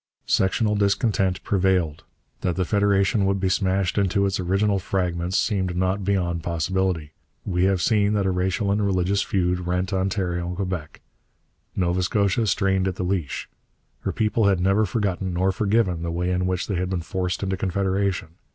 Sectional discontent prevailed. That the federation would be smashed 'into its original fragments' seemed not beyond possibility. We have seen that a racial and religious feud rent Ontario and Quebec. Nova Scotia strained at the leash. Her people had never forgotten nor forgiven the way in which they had been forced into Confederation.